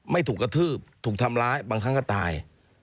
ถูกกระทืบถูกทำร้ายบางครั้งก็ตาย